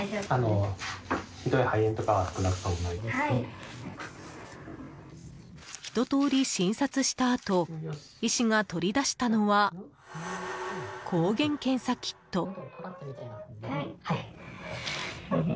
ひととおり診察したあと医師が取り出したのは抗原検査キット。